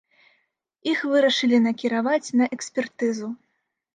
Іх вырашылі накіраваць на экспертызу.